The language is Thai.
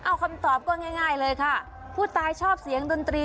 เอาคำตอบก็ง่ายเลยค่ะผู้ตายชอบเสียงดนตรี